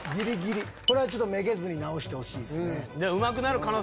これはめげずに直してほしいっすね。